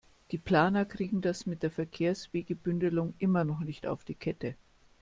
Die Planer kriegen das mit der Verkehrswegebündelung immer noch nicht auf die Kette.